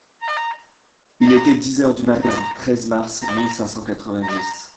Il était dix heures du matin (treize mars mille cinq cent quatre-vingt-dix).